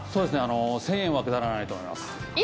１０００円はくだらないと思います。